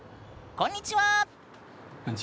こんにちは。